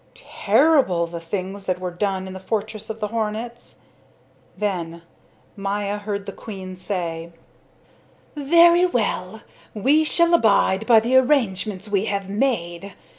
Terrible the things that were done in the fortress of the hornets! Then Maya heard the queen say: "Very well, we shall abide by the arrangements we have made.